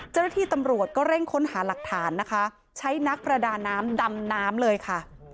เจ้าหน้าที่ตำรวจก็เร่งค้นหาหลักฐานนะคะใช้นักประดาน้ำดำน้ำเลยค่ะ